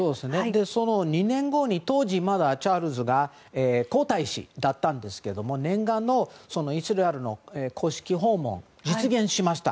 その２年後当時まだチャールズが皇太子だったんですけども念願のイスラエルの公式訪問が実現しました。